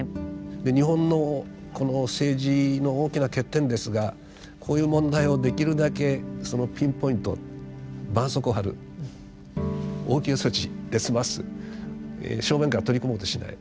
日本のこの政治の大きな欠点ですがこういう問題をできるだけそのピンポイントばんそうこうを貼る応急措置で済ます正面から取り組もうとしない。